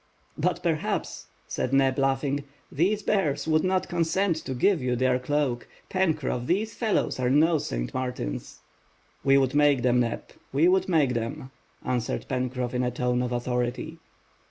"But perhaps," said Neb, laughing "These bears would not consent to give you their cloak. Pencroff, these fellows are no Saint Martins." "We would make them, Neb, we would make them," answered Pencroff in a tone of authority.